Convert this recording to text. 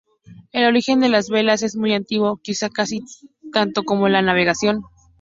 El origen de las velas es muy antiguo, quizá casi tanto como la navegación.